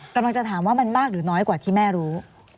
กำลังจะถามว่ามันมากหรือน้อยกว่าที่แม่รู้